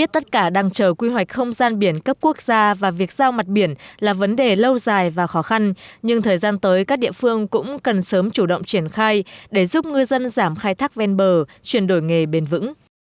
tất cả đang chờ quy hoạch không gian biển cấp quốc gia và việc giao mặt biển là vấn đề lâu dài và khó khăn nhưng thời gian tới các địa phương cũng cần sớm chủ động triển khai để giúp ngư dân giảm khai thác ven bờ chuyển đổi nghề bền vững